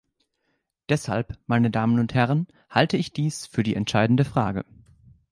Deshalb, meine Damen und Herren, halte ich dies für die entscheidende Frage.